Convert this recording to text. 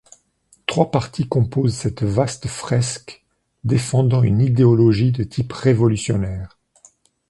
Trois parties composent cette vaste fresque défendant une idéologie de type révolutionnaire.